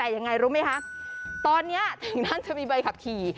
ยังไงรู้ไหมคะตอนนี้ถึงนั่นจะมีใบขับขี่